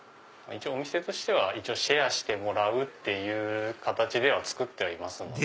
お店としてはシェアしてもらうっていう形で作ってますので。